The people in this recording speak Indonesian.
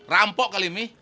rampok kali mih